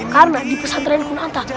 karena di pesantren kunanta